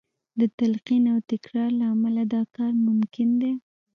د تلقین او تکرار له امله دا کار ممکن دی